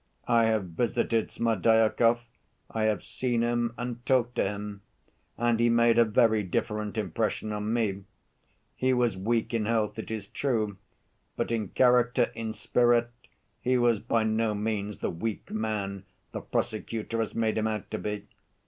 I have visited Smerdyakov, I have seen him and talked to him, and he made a very different impression on me. He was weak in health, it is true; but in character, in spirit, he was by no means the weak man the prosecutor has made him out to be.